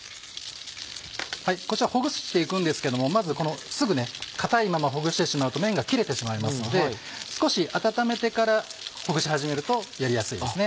こちらほぐして行くんですけどもまずすぐ硬いままほぐしてしまうとめんが切れてしまいますので少し温めてからほぐし始めるとやりやすいです。